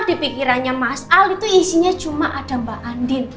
di pikirannya mas al itu isinya cuma ada mbak andi